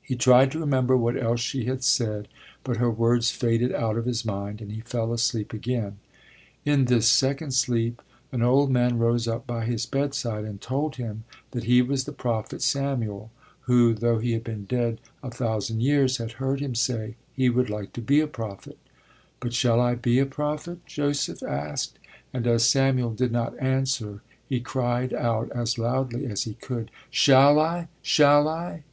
He tried to remember what else she had said but her words faded out of his mind and he fell asleep again. In this second sleep an old man rose up by his bedside and told him that he was the prophet Samuel, who though he had been dead a thousand years had heard him say he would like to be a prophet. But shall I be a prophet? Joseph asked, and as Samuel did not answer he cried out as loudly as he could: shall I? shall I?